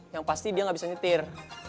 yang pasti dia nggak bisa nyetir